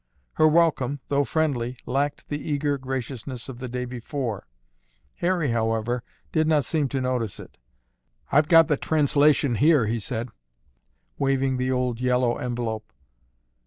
Her welcome, though friendly, lacked the eager graciousness of the day before. Harry, however, did not seem to notice it. "I've got the translation here," he said, waving the old yellow envelope.